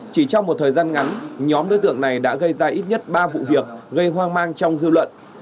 chỉ trong một thời gian ngắn nhóm đối tượng này đã gây ra ít nhất ba vụ việc gây hoang mang trong dư luận